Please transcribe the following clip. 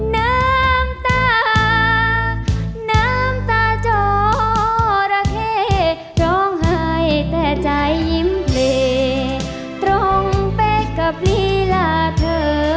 น้ำตาน้ำตาจอระเข้ร้องไห้แต่ใจยิ้มเพลย์ตรงเป๊กกับลีลาเธอ